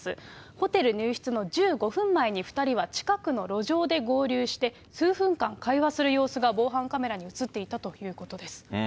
ホテル入室の１５分前に２人は近くの路上で合流して、数分間会話する様子が防犯カメラに写っていたということです。